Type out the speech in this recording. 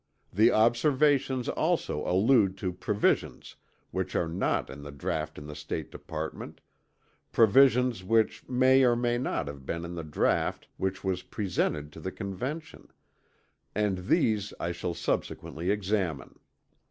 The Observations also allude to provisions which are not in the draught in the State Department, provisions which may or may not have been in the draught which was presented to the Convention; and these I shall subsequently examine.